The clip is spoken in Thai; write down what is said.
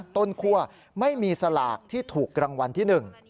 ต้นคั่วไม่มีสลากที่ถูกรางวัลที่๑